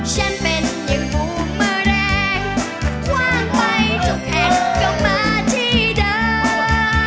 ฉันเป็นยังภูมิแรงว่างไปทุกแห่งกลับมาที่เดิม